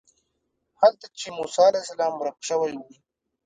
هلته چې موسی علیه السلام ورک شوی و.